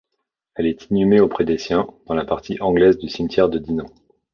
Elle est inhumée auprès des siens, dans la partie anglaise du cimetière de Dinan.